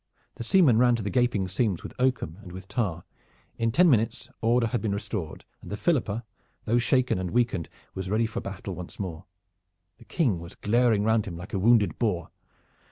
The seamen ran to the gaping seams with oakum and with tar. In ten minutes order had been restored and the Philippa, though shaken and weakened, was ready for battle once more. The King was glaring round him like a wounded boar.